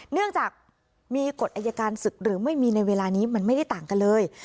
เนื่องจากมีกฎอายการศึกหรือไม่มีในเวลานี้มันไม่ได้ต่างกันเลย